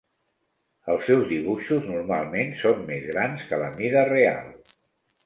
Els seus dibuixos normalment són més grans que la mida real.